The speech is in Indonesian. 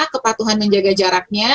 kepatuhan menjaga jaraknya